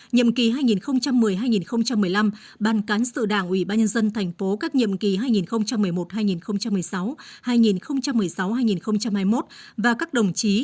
nhiệm kỳ hai nghìn một mươi hai nghìn một mươi năm ban cán sự đảng ủy ban nhân dân thành phố các nhiệm kỳ hai nghìn một mươi một hai nghìn một mươi sáu hai nghìn một mươi sáu hai nghìn hai mươi một và các đồng chí